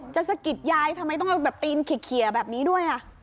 สะกิดยายทำไมต้องเอาแบบตีนเขียแบบนี้ด้วย